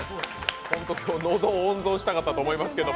ホント、喉を温存したかったと思いますけど。